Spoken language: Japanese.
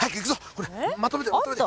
ほれまとめてまとめて。